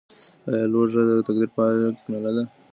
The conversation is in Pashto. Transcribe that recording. ايا لوږه د تقدير پايله ګڼل کيده؟